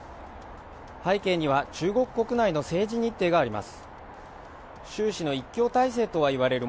背景には中国国内の政治日程があります